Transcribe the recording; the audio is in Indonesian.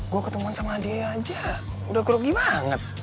gue ketemuan sama dia aja udah kerugi banget